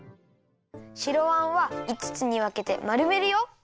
白あんはいつつにわけてまるめるよ。